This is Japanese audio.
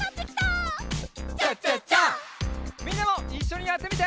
みんなもいっしょにやってみて！